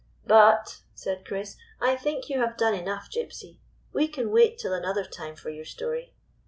" But," said Chris, " I think you have done enough, Gypsy. We can wait till another time for your story.